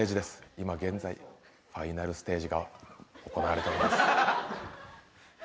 今現在ファイナルステージが行われております。